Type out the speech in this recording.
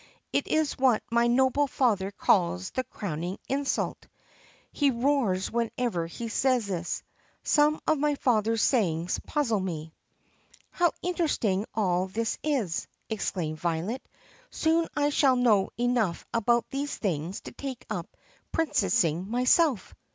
It is what my noble father calls 'the crowning insult.' He roars whenever he says this. Some of my father's sayings puzzle me." "How interesting all this is!" exclaimed Violet. "Soon I shall know enough about these things to take up princessing myself."